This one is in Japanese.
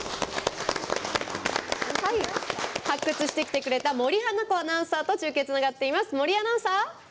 発掘してきてくれた森花子アナウンサーと中継がつながっています。